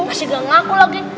masih gak ngaku lagi